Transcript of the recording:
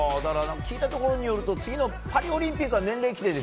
聞いたところによると次のパリオリンピックは年齢規定で